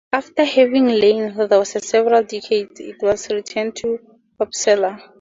After having lain there for several decades, it was returned to Uppsala.